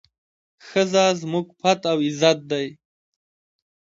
ښځه زموږ پت او عزت دی.